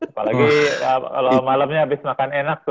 apalagi kalau malamnya habis makan enak tuh